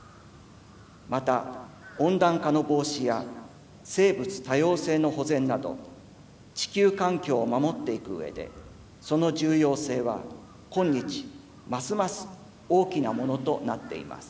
また温暖化の防止や生物多様性の保全など地球環境を守っていく上でその重要性は今日ますます大きなものとなっています。